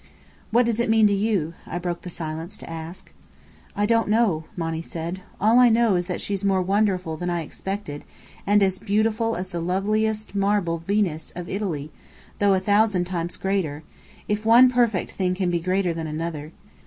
"What does it mean to you?" I broke the silence to ask. "I don't know," Monny said. "All I know is that she's more wonderful than I expected, and as beautiful as the loveliest marble Venus of Italy, though a thousand times greater if one perfect thing can be greater than another.